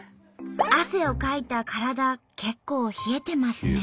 汗をかいた体結構冷えてますね。